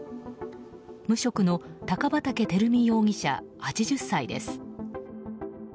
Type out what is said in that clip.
無職の高畠輝彌容疑者、８０歳です。